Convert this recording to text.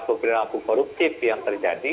ada memang perilaku perilaku koruptif yang terjadi